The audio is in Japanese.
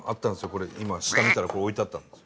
これ今下見たら置いてあったんです。